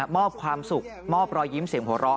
มอบความสุขมอบรอยยิ้มเสียงหัวเราะ